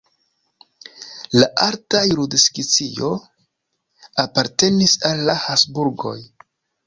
La alta jurisdikcio apartenis al la Habsburgoj.